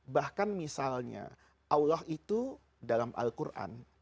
bahkan misalnya allah itu dalam al quran